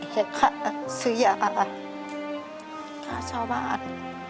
แค่ขาซื้อยาขาชาวบ้าน